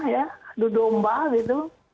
ya dudomba gitu